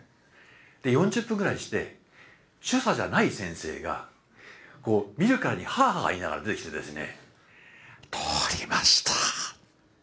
で４０分ぐらいして主査じゃない先生が見るからにはあはあいいながら出てきてですね「通りました」。